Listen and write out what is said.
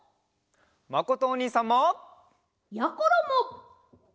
まことおにいさんも！やころも！